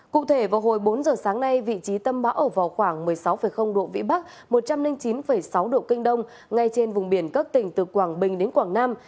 cụ thể vào hồi bốn giờ sáng nay vị trí tâm bão ở vào khoảng một mươi sáu độ vĩ bắc một trăm linh chín sáu độ kinh đông ngay trên vùng biển các tỉnh từ quảng bình đến quảng nam